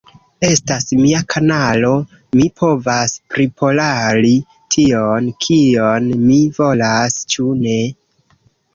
Estas mia kanalo, mi povas priporali tion, kion mi volas. Ĉu ne?